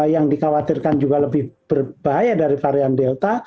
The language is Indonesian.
yang dikhawatirkan juga lebih berbahaya dari varian delta